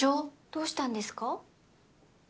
どうしたんですか？